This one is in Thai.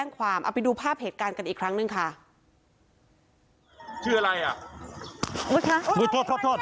ความเอาไปดูภาพเหตุการณ์กันอีกครั้งหนึ่งค่ะชื่ออะไรอ่ะโทษโทษ